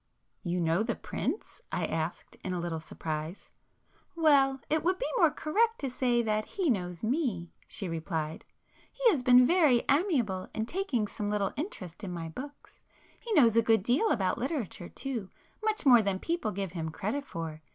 "You know the Prince?" I asked, in a little surprise. "Well, it would be more correct to say that he knows me," she replied—"He has been very amiable in taking some little interest in my books. He knows a good deal about literature too,—much more than people give him credit for.